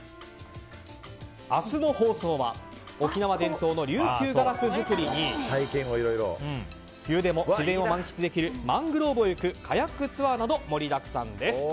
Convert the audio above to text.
明日の放送は沖縄伝統の琉球ガラス作りに冬でも自然を満喫できるマングローブを行くカヤックツアーなど盛りだくさんです。